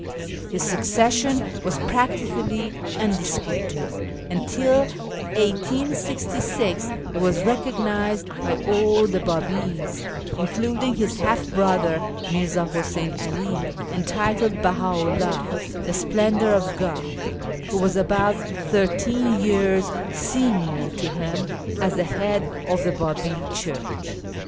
His succession was practically undisputed; and till 1866 he was recog nised by all the Bdbis, including his half brother Mirza Huseyn 'Ali, entitled BcJui'xi'Uoh (" The Sjdendour of God "), who was about thirteen years senior to him, as the Head of the Babi Church.